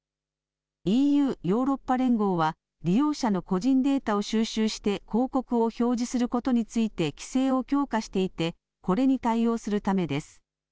ＥＵ・ヨーロッパ連合は利用者の個人データを収集して広告を表示することについて規制を強化していてこれに対応するためです。